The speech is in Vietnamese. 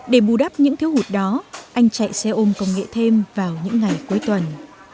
để bù đắp những thiếu hụt đó anh chạy xe ôm công nghệ thêm vào những ngày cuối tuần